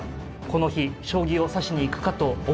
この日将棋を指しに行くかと思いきや。